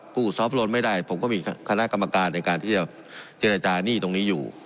ซอฟต์โลนไม่ได้ผมก็มีคณะกรรมการในการที่จะเจรจาหนี้ตรงนี้อยู่